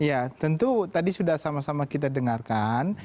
ya tentu tadi sudah sama sama kita dengarkan